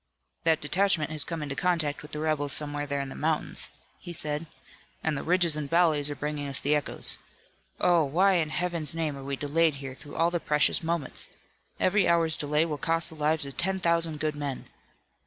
"That detachment has come into contact with the rebels somewhere there in the mountains," he said, "and the ridges and valleys are bringing us the echoes. Oh, why in Heaven's name are we delayed here through all the precious moments! Every hour's delay will cost the lives of ten thousand good men!"